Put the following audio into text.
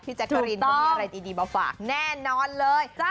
พี่แจกกะรินคงมีอะไรดีเบาะฝากแน่นอนเลย